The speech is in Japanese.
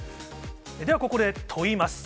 ではここで問います。